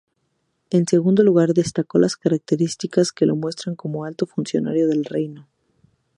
En segundo lugar destacó las características que lo muestran como alto funcionario del reino.